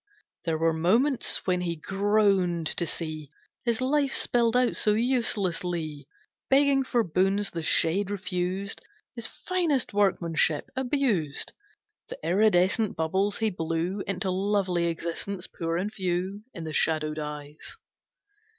There were moments when he groaned to see His life spilled out so uselessly, Begging for boons the Shade refused, His finest workmanship abused, The iridescent bubbles he blew Into lovely existence, poor and few In the shadowed eyes.